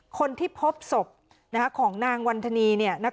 คนที่พบศพของนางวันธนีย์เนี่ย